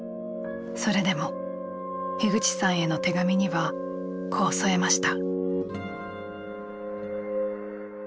それでも口さんへの手紙にはこう添えました。